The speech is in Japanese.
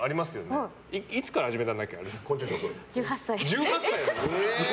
１８歳。